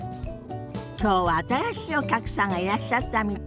きょうは新しいお客さんがいらっしゃったみたい。